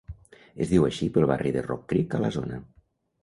Es diu així pel barri de Rock Creek a la zona.